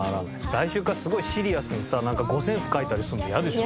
来週からすごいシリアスにさ五線譜書いたりするの嫌でしょ？